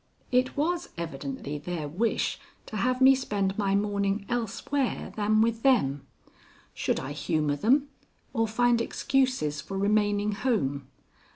It was evidently their wish to have me spend my morning elsewhere than with them. Should I humor them, or find excuses for remaining home?